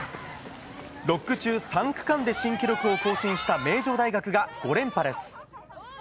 ６区中３区間で新記録を達成した名城大学が５連覇です。